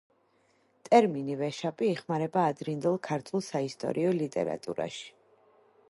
ტერმინი ვეშაპი იხმარება ადრინდელ ქართულ საისტორიო ლიტერატურაში.